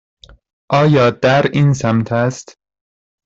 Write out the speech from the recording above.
آیا در این سمت است؟